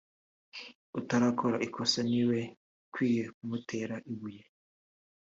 utarakora ikosa ni we ukwiye kumutera ibuye